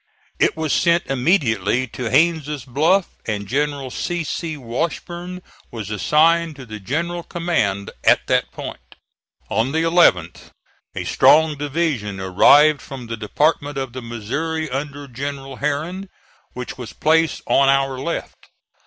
It was sent immediately to Haines' Bluff, and General C. C. Washburn was assigned to the general command at that point. On the 11th a strong division arrived from the Department of the Missouri under General Herron, which was placed on our left.